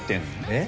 えっ？